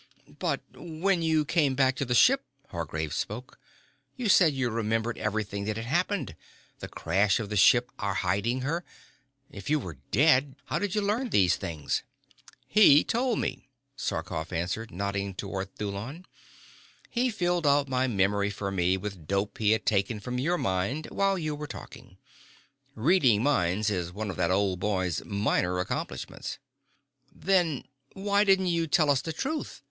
"But when you came back to the ship," Hargraves spoke, "you said you remembered everything that had happened, the crash of the ship, our hiding her. If you were dead, how did you learn these things?" "He told me," Sarkoff answered, nodding toward Thulon. "He filled out my memory for me with dope he had taken from your mind while you were talking. Reading minds is one of that old boy's minor accomplishments." "Then why didn't you tell us the truth?"